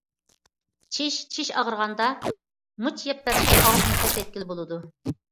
چىش چىش ئاغرىغاندا مۇچ يەپ بەرسە ئاغرىقنى پەسەيتكىلى بولىدۇ.